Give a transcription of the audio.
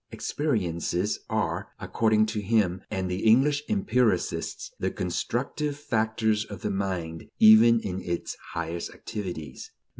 "Experiences" are, according to him and the English empiricists, the constructive factors of the mind even in its highest activities.